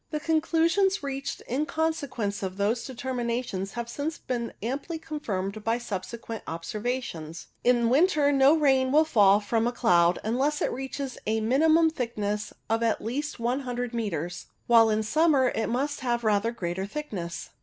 The conclusions reached in consequence of those determinations have since been amply confirmed by subsequent M 82 LOWER CLOUDS observations. In winter no rain will fall from a cloud unless it reaches a minimum thickness of at least loo metres, while in summer it must have rather greater thickness.